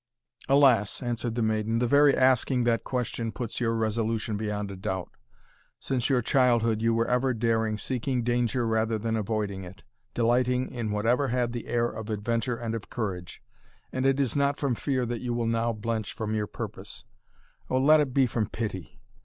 "Alas!" answered the maiden, "the very asking that question puts your resolution beyond a doubt. Since your childhood you were ever daring, seeking danger rather than avoiding it delighting in whatever had the air of adventure and of courage: and it is not from fear that you will now blench from your purpose Oh, let it then be from pity!